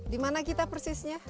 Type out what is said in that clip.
di mana kita persisnya